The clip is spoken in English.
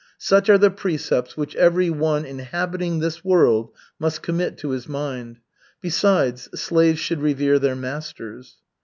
Such are the precepts which every one inhabiting this world must commit to his mind. Besides, slaves should revere their masters.